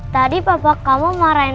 tadi papa kamu marahin aku